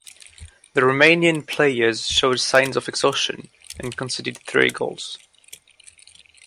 The Romanian players showed signs of exhaustion and conceded three goals.